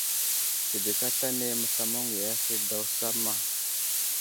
Sidik aslane məslamaŋwiya ahe daw samma.